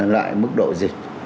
lại mức độ dịch